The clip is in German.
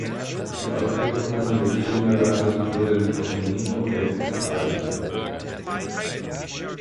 Die Auswirkungen des Klimawandels wurden von Hino et al.